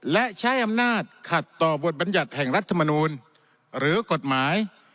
และใช้อำนาจขัดต่อบทบรรยัติแห่งรัฐมนูลหรือกฎหมาย